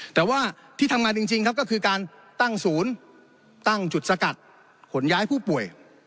แต่ว่าที่ทำงานจริงครับก็คือการตั้งศูนย์ตั้งจุดสกัดขนย้ายผู้ป่วย